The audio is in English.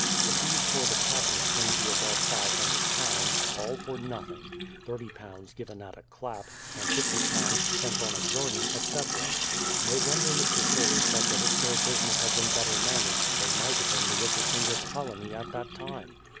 The fees for the patent came to above £500 — all for nothing; £30 given at a clap, and £50 spent on a journey, etc. No wonder Mr. Sherley said that if their business had been better managed they might have been the richest English colony at that time.